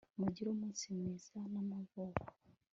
mugire umunsi mwiza w'amavuko